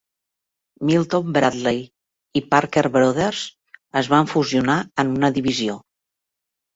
Milton Bradley i Parker Brothers es van fusionar en una divisió.